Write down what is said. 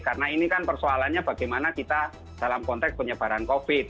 karena ini kan persoalannya bagaimana kita dalam konteks penyebaran covid